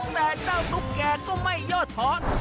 แต่เจ้าตุ๊กแก่ก็ไม่ยอดท้อน